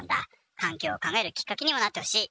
環境を考えるきっかけにもなってほしい。